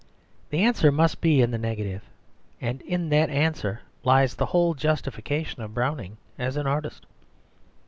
The answer must be in the negative, and in that answer lies the whole justification of Browning as an artist.